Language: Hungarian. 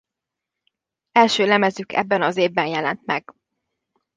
Első lemezük ebben az évben jelent meg.